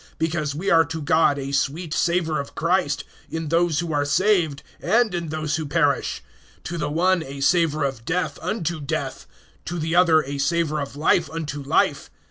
(15)Because we are to God a sweet savor of Christ, in those who are saved, and in those who perish; (16)to the one a savor of death unto death, to the other a savor of life unto life.